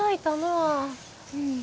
うん。